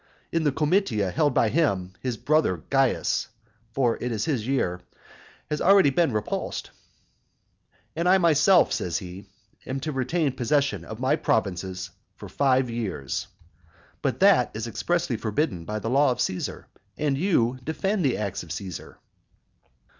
In the comitia held by him, his brother Carus (for it is his year) has already been repulsed. "And I myself," says he, "am to retain possession of my province five years." But that is expressly forbidden by the law of Caesar, and you defend the acts of Caesar.